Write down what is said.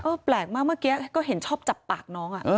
แปลกมากเมื่อกี้ก็เห็นชอบจับปากน้อง